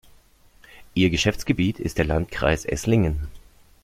Ihr Geschäftsgebiet ist der Landkreis Esslingen.